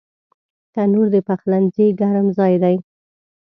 تنور د پخلنځي ګرم ځای دی